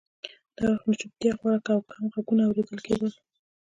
دا وخت نو چوپتیا خوره وه او کم غږونه اورېدل کېدل